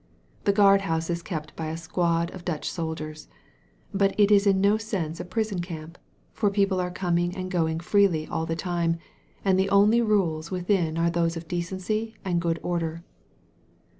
The guard house is kept by a squad of Dutch soldiers. But it is in no sense a prison camp, for people are coming and going freely ^6 A CITY OF REFUGE all the time, and the only rules within are those of decency and good order.